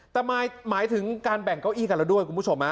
แต่หมายถึงการแบ่งเก้าอี้กันแล้วด้วยคุณผู้ชม